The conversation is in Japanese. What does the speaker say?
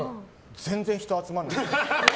全然、人集まらなくて。